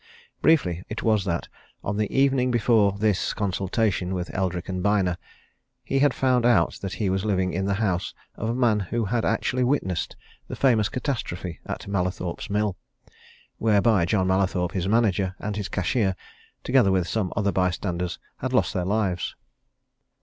Briefly, it was that on the evening before this consultation with Eldrick & Byner, he had found out that he was living in the house of a man who had actually witnessed the famous catastrophe at Mallathorpe's Mill, whereby John Mallathorpe, his manager, and his cashier, together with some other bystanders, had lost their lives.